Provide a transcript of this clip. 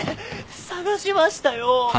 捜しましたよ！